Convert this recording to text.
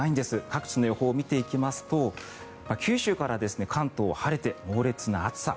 各地の予報を見てみますと九州から関東は晴れて猛烈な暑さ。